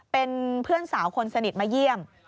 เป็นเพื่อนสาวคนสนิทมาเยี่ยม